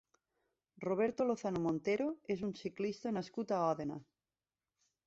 Roberto Lozano Montero és un ciclista nascut a Òdena.